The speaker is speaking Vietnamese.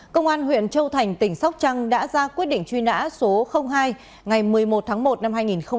công an huyện châu thành tỉnh sóc trăng đã ra quyết định truy nã số hai ngày một mươi một tháng một năm hai nghìn một mươi